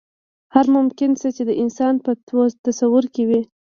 هر ممکن څه چې د انسان په تصور کې وي.